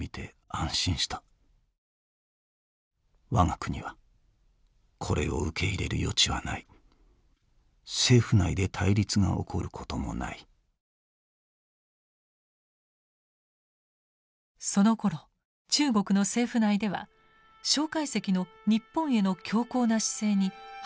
そのころ中国の政府内では介石の日本への強硬な姿勢に反発が強まっていました。